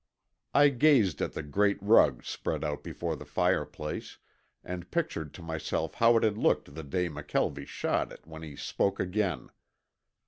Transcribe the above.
I gazed at the great rug spread out before the fireplace, and pictured to myself how it had looked the day McKelvie shot it when he spoke again.